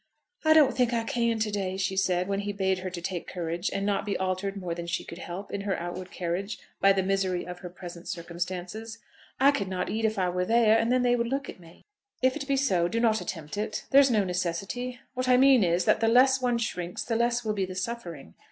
"I don't think I can to day," she said, when he bade her to take courage, and not be altered more than she could help, in her outward carriage, by the misery of her present circumstances. "I could not eat if I were there, and then they would look at me." "If it be so, do not attempt it. There is no necessity. What I mean is, that the less one shrinks the less will be the suffering.